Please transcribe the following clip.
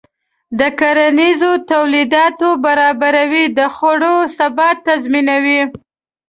د کرنیزو تولیداتو برابري د خوړو ثبات تضمینوي.